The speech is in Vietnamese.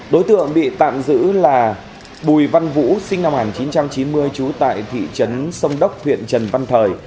đối tượng bị tạm giữ là bùi văn vũ sinh năm một nghìn chín trăm chín mươi trú tại thị trấn sông đốc huyện trần văn thời